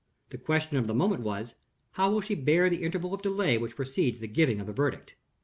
The question of the moment was: How will she bear the interval of delay which precedes the giving of the verdict?